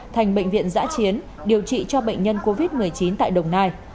thành bệnh viện giã chiến điều trị cho bệnh nhân covid một mươi chín tại đồng nai